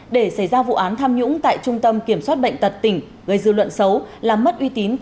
để xảy ra vụ án tham nhũng tại trung tâm kiểm soát bệnh tật tỉnh gây dư luận xấu làm mất uy tín